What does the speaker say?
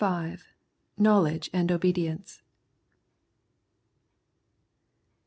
V. KNOWLEDGE AND OBEDIENCE.